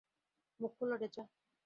মুখ খোলো, ডেচা।